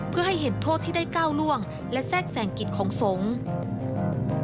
เพื่อให้เห็นโทษที่ได้ก้าวล่วงและแทรกแสงกิจของสงฆ์